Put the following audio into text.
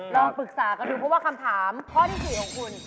ลองปรึกษากันดูเพราะว่าคำถามข้อที่๔ของคุณ